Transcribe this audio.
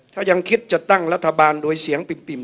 ถ้ายังคิดจะตั้งรัฐบาลโดยเสียงปิ่ม